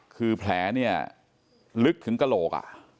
คือแผลเนี่ยลึกถึงกระโหลก